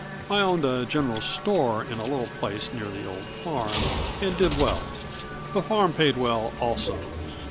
I owned a general store in a little place near the old farm, and did well. The farm paid well, also.